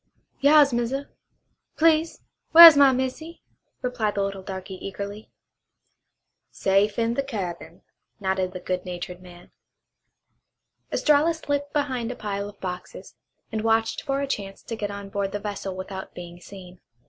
"Yas, Massa! Please whar' is my missy?" replied the little darky eagerly. "Safe in the cabin," nodded the good natured man. Estralla slipped behind a pile of boxes, and watched for a chance to get on board the vessel without being seen.